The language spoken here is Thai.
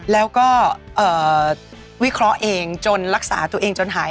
แล้วก็วิเคราะห์เองจนรักษาตัวเองจนหาย